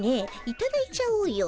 いただいちゃおうよ」。